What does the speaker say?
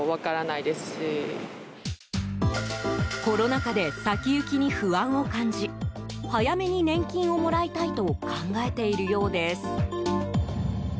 コロナ禍で先行きに不安を感じ早めに年金をもらいたいと考えているようです。